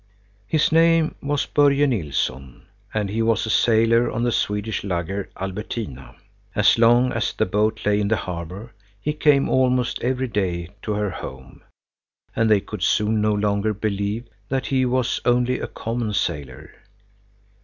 His name was Börje Nilsson, and he was a sailor on the Swedish lugger "Albertina." As long as the boat lay in the harbor, he came almost every day to her home, and they could soon no longer believe that he was only a common sailor.